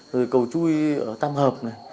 rồi cầu chui ở tam hợp này